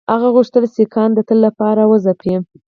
هغه غوښتل سیکهان د تل لپاره وځپي.